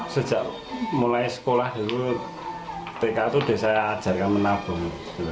sejak mulai sekolah dulu tk itu saya ajarkan menabung